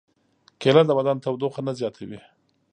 کېله د بدن تودوخه نه زیاتوي.